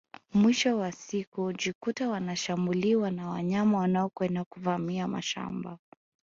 Mwisho wa siku hujikuta wanashambuliwa na wanyama wanaokwenda kuvamia mashamba